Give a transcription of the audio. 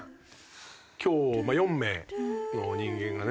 今日４名の人間がね